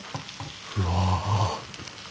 うわ。